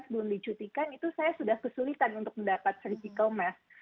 sebelum dicutikan itu saya sudah kesulitan untuk mendapat kritikal mask